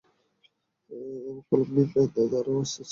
এবং কলম্বিয়ানরা, তারাও আসতেছে তার জন্য, সে এখন কোথায়?